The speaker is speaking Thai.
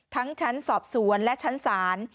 ทั้งชั้นสอบสวนและชั้นศร